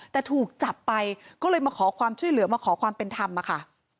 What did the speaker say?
แต่ถูกจับไปก็เลยมาขอความช่วยเหลือมาขอความเป็นธรรมอะค่ะ